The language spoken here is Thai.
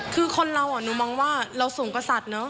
คือคนเราหนูมองว่าเราสูงกว่าสัตว์เนอะ